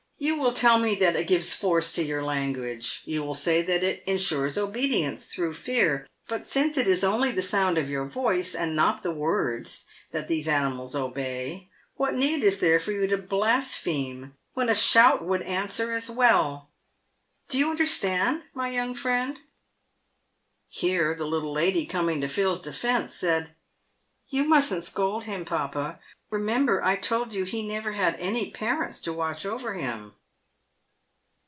"You will tell me that it gives force to your language. You will say that it ensures obedience through fear ; but since it is only the sound of your voice, and not the words, that these animals obey, what need is there for you to blaspheme when a shout would answer as well ? Do you understand, my young friend ?" Here the little lady, coming to Phil's defence, said, " You mustn't scold him, papa. Eemember, I told you he never had any parents to watch over him."